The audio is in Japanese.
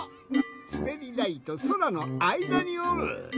すべりだいとそらのあいだにおる。